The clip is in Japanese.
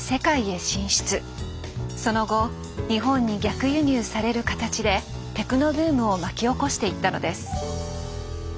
その後日本に逆輸入される形でテクノブームを巻き起こしていったのです。